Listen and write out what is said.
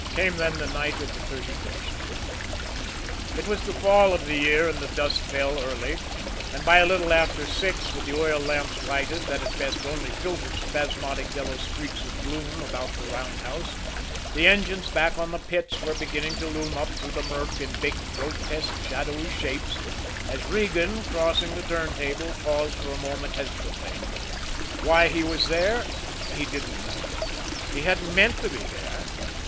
Came then the night of the 31st. It was the fall of the year and the dusk fell early; and by a little after six, with the oil lamps lighted, that at best only filtered spasmodic yellow streaks of gloom about the roundhouse, the engines back on the pits were beginning to loom up through the murk in big, grotesque, shadowy shapes, as Regan, crossing the turntable, paused for a moment hesitantly. Why he was there, he didn't know. He hadn't meant to be there.